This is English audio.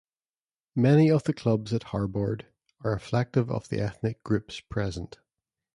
Many of the clubs at Harbord are reflective of the ethnic groups present.